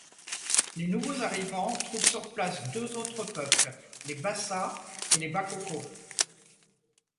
Les nouveaux arrivants trouvent sur place deux autres peuples, les Bassas et les Bakoko.